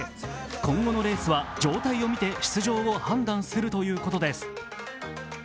今後のレースは状態をみて出場を判断するということです。